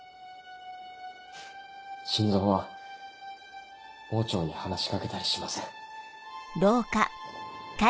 心臓は盲腸に話し掛けたりしません。